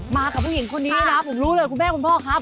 มากับผู้หญิงคนนี้นะครับผมรู้เลยคุณแม่คุณพ่อครับ